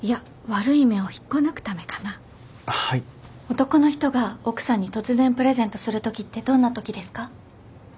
男の人が奥さんに突然プレゼントするときってどんなときですか？